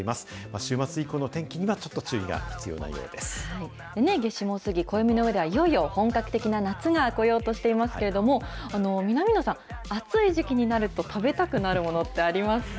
週末以降の天気にはちょっと注意夏至も過ぎ、暦の上ではいよいよ本格的な夏が来ようとしていますけれども、南野さん、暑い時期になると食べたくなるものってありますか？